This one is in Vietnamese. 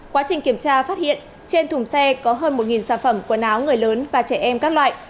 quá trình kiểm tra phát hiện trên thùng xe có hơn một sản phẩm quần áo người lớn và trẻ em các loại